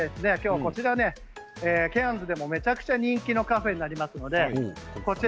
ケアンズでもめちゃくちゃ人気のカフェになります。